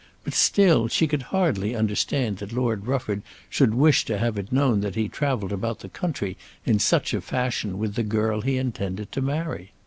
But still she could hardly understand that Lord Rufford should wish to have it known that he travelled about the country in such a fashion with the girl he intended to marry.